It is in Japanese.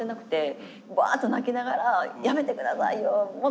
ワーッと泣きながら「やめて下さいよ」。